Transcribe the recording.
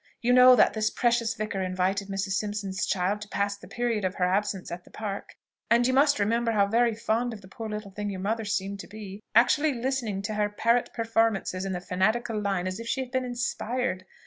You know that this precious vicar invited Mrs. Simpson's child to pass the period of her absence at the Park; and you must remember how very fond of the poor little thing your mother seemed to be, actually listening to her parrot performances in the fanatical line as if she had been inspired.